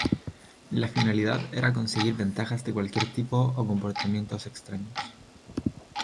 La finalidad era conseguir ventajas de cualquier tipo o comportamientos extraños.